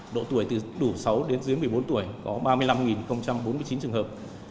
độ tuổi từ đủ sáu đến dưới một mươi bốn tuổi có ba mươi năm bốn mươi chín trường hợp